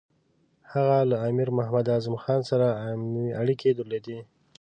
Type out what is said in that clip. هغه له امیر محمد اعظم خان سره اړیکې درلودې.